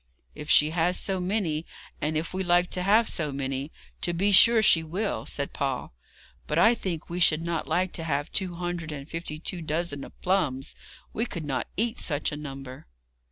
'If she has so many, and if we like to have so many, to be sure she will,' said Paul; 'but I think we should not like to have two hundred and fifty two dozen of plums; we could not eat such a number.'